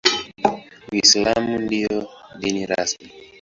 Uislamu ndio dini rasmi.